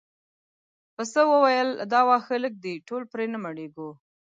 پسه وویل دا واښه لږ دي ټول پرې نه مړیږو.